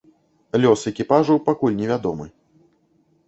Лёс экіпажу пакуль невядомы.